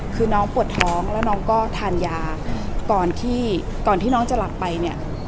คือน้องปวดท้องแล้วน้องก็ทานยาก่อนที่ก่อนที่น้องจะหลับไปเนี่ย